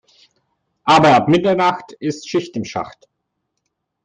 Aber ab Mitternacht ist Schicht im Schacht.